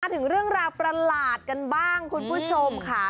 ถึงเรื่องราวประหลาดกันบ้างคุณผู้ชมค่ะ